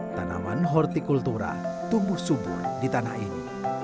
tanaman hortikultura tumbuh subur di tanah ini